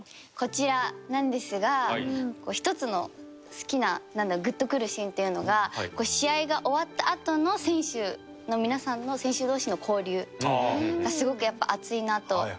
こちらなんですが１つの好きな、なんだろうグッとくるシーンっていうのが試合が終わったあとの選手の皆さんの選手同士の交流がすごく、やっぱり熱いなと。